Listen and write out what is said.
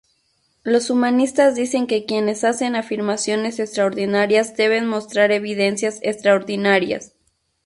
Los humanistas dicen que quienes hacen afirmaciones extraordinarias deben mostrar evidencias extraordinarias.